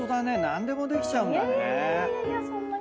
何でもできちゃうんだね。